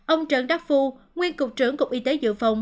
ông trần đắc phu nguyên cục trưởng cục y tế dự phòng